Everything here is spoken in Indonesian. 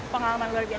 pengalaman luar biasa